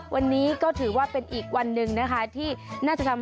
วันนี้ก็ถือว่าเป็นอีกวันนึงนะคะที่ทำให้